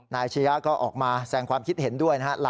นายชียะก็ออกมาแสงความคิดเห็นด้วยนะฮะ